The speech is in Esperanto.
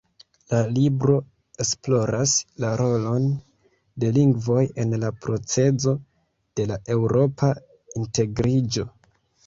La libro esploras la rolon de lingvoj en la procezo de la eŭropa integriĝo.